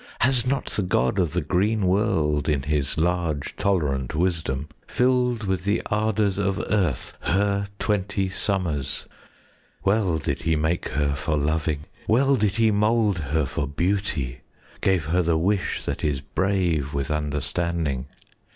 Has not the god of the green world, 5 In his large tolerant wisdom, Filled with the ardours of earth Her twenty summers? Well did he make her for loving; Well did he mould her for beauty; 10 Gave her the wish that is brave With understanding.